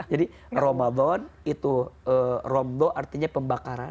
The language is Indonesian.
jadi ramadan itu romdo artinya pembakaran